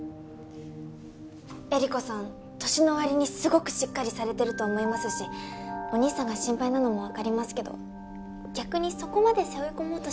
衿子さん年の割にすごくしっかりされてると思いますしお兄さんが心配なのもわかりますけど逆にそこまで背負い込もうとしなくても。